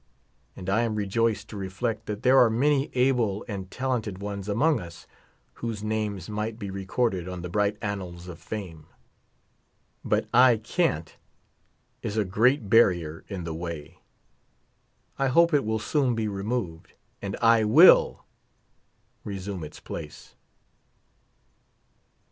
And I am rejoiced to reflect that there are man} able and talented ones among us whose names might be recorded on the bright annals of fame. But, "/ ca?i'i," is a great barrier in the way. I hope it will soon be removed, and "/ ivilL'' resume its place.